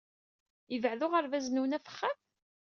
Yebɛed uɣerbaz-nwen ɣef wexxam?